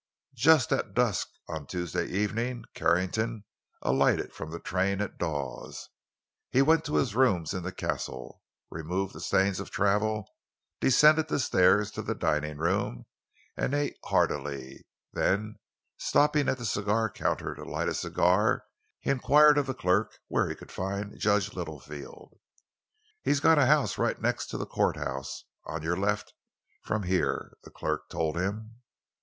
Just at dusk on Tuesday evening Carrington alighted from the train at Dawes. He went to his rooms in the Castle, removed the stains of travel, descended the stairs to the dining room, and ate heartily; then, stopping at the cigar counter to light a cigar, he inquired of the clerk where he could find Judge Littlefield. "He's got a house right next to the courthouse—on your left, from here," the clerk told him.